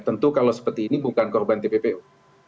tentu kalau seperti ini bukan korban tppu